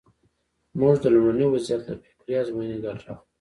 موږ د لومړني وضعیت له فکري ازموینې ګټه اخلو.